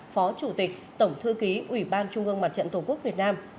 phó chủ tịch tổng thư ký ủy ban trung ương mặt trận tổ quốc việt nam